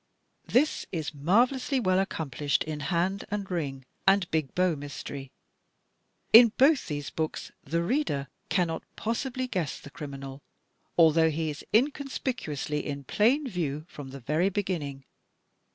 This is marvellously well accomplished in "Hand and Ring" and "Big Bow Mystery." In both these books the reader cannot possibly guess the criminal, although he is inconspicuously in plain view from the very beginning.